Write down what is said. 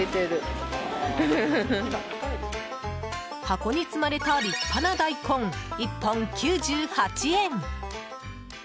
箱に積まれた立派な大根１本９８円。